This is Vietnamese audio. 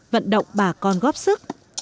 vận động bà con góp sức